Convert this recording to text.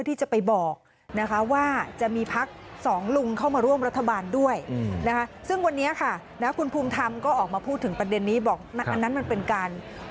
ที่บอกว่าจะไปขอคำมา